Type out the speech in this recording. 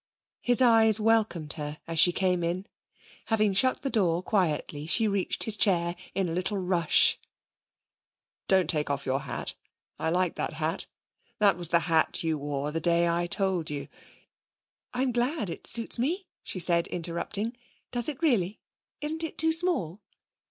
His eyes welcomed her as she came in. Having shut the door quietly, she reached his chair in a little rush. 'Don't take off your hat. I like that hat. That was the hat you wore the day I told you ' 'I'm glad it suits me,' she said, interrupting. 'Does it really? Isn't it too small?'